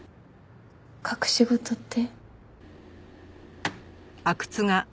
隠し事って？